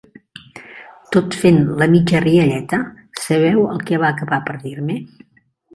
Tot fent la mitja rialleta, ¿sabeu el què va acabar per dir-me?